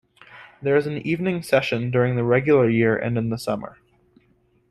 There is an evening session during the regular year and in the summer.